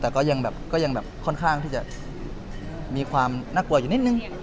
แต่ก็ยังแบบก็ยังแบบค่อนข้างที่จะมีความน่ากลัวอยู่นิดนึง